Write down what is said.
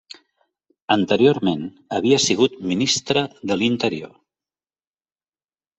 Anteriorment havia sigut ministra de l'Interior.